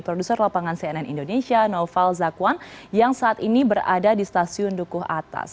produser lapangan cnn indonesia noval zakwan yang saat ini berada di stasiun dukuh atas